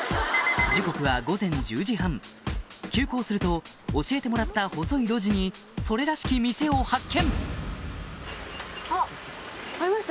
時刻は急行すると教えてもらった細い路地にそれらしき店を発見！